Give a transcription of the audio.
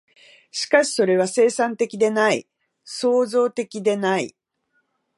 しかしそれは生産的でない、創造的でない。